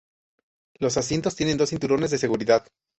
Los asientos tienen dos cinturones de seguridad.